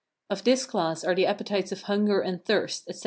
Of this class are the appetites of hunger and thirst, etc.